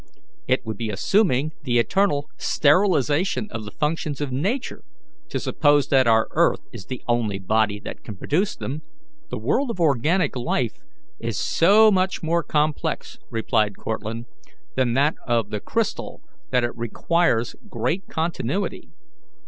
It would be assuming the eternal sterilization of the functions of Nature to suppose that our earth is the only body that can produce them." "The world of organic life is so much more complex," replied Cortlandt, "than that of the crystal, that it requires great continuity.